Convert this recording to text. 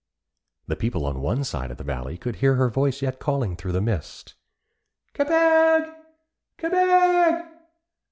The people on one side of the valley could hear her voice yet calling through the mist: 'Kebeg! Kebeg!